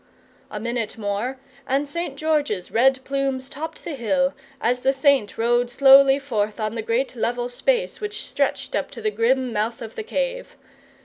A minute more and St. George's red plumes topped the hill, as the Saint rode slowly forth on the great level space which stretched up to the grim mouth of the cave.